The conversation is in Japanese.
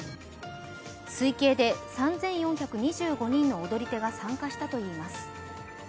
推計で３４２５人の踊り手が参加したといいます。